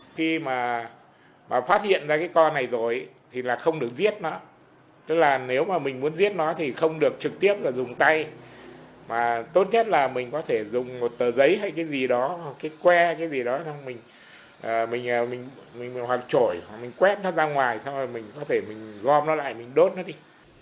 tốt nhất là mình có thể dùng một tờ giấy hay cái gì đó cái que hay cái gì đó mình hoặc trổi mình quét ra ngoài xong rồi mình có thể gom nó lại mình đốt nó đi